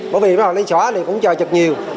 bởi vì họ lên xóa thì cũng chờ chật nhiều